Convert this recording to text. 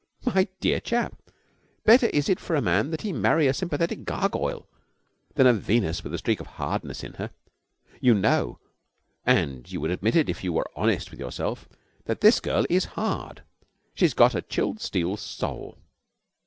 My dear chap, better is it for a man that he marry a sympathetic gargoyle than a Venus with a streak of hardness in her. You know and you would admit it if you were honest with yourself that this girl is hard. She's got a chilled steel soul.